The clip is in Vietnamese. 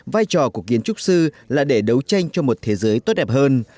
vai trò của kiến trúc sư là để đấu tranh cho một thế giới tốt đẹp hơn